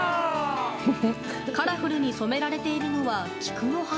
カラフルに染められているのは菊の花。